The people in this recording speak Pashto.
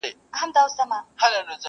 د پردیو ملایانو له آذانه یمه ستړی!!